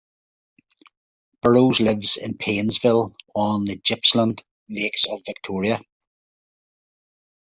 Burrows lives in Paynesville on the Gippsland Lakes of Victoria.